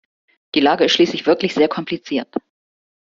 Die Lage ist schließlich wirklich sehr kompliziert.